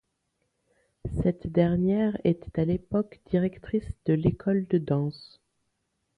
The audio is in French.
Cette dernière était à l'époque directrice de l'École de Danse.